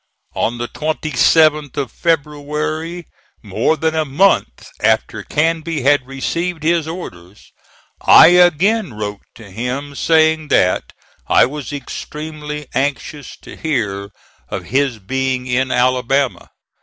On the 27th of February, more than a month after Canby had received his orders, I again wrote to him, saying that I was extremely anxious to hear of his being in Alabama.